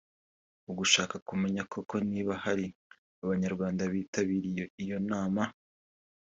Mu gushaka kumenya koko niba hari Abanyarwanda bitabiriye iyo nama